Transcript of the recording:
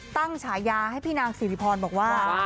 ตั้งฉายาให้พี่นางศรีริพรบอกว่า